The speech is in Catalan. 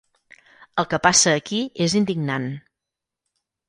El que passa aquí és indignant.